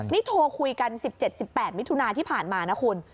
นี่โทรคุยกัน๑๗๑๘มิถุนาที่ผ่านมานะคุณ